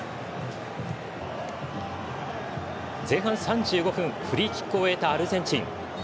前半３５分フリーキックを得たアルゼンチン。